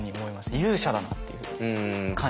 勇者だなっていう感じました。